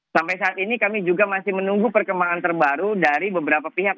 sampai saat ini kami juga masih menunggu perkembangan terbaru dari beberapa pihak